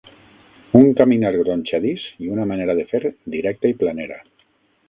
Un caminar gronxadís i una manera de fer directa i planera